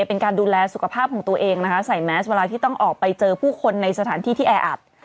เป็นการดูแลสุขภาพของตัวเองนะคะใส่แมสเวลาที่ต้องออกไปเจอผู้คนในสถานที่ที่แออัด